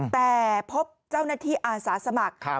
แต่พบเจ้าหน้าที่อาสาสมัคร